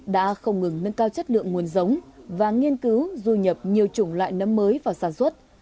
đã không ngừng nâng cao chất lượng nguồn giống và nghiên cứu du nhập nhiều chủng loại nấm mới vào sản xuất